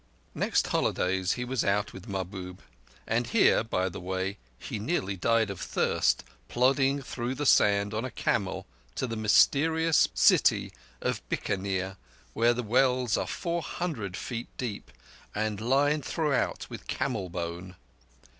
Next holidays he was out with Mahbub, and here, by the way, he nearly died of thirst, plodding through the sand on a camel to the mysterious city of Bikanir, where the wells are four hundred feet deep, and lined throughout with camel bone.